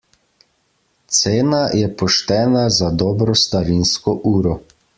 Cena je poštena za dobro starinsko uro.